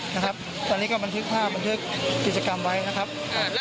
นะครับตอนนี้ก็บันทึกภาพบันทึกกิจกรรมไว้นะครับอ่า